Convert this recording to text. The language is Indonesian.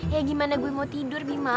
ya gimana gue mau tidur bima